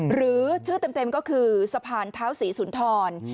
หรือชื่อเต็มก็คือสะพานเท้าศรีสุนทร